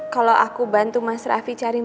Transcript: gilang gak mau liat mama sedih terus